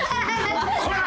こら！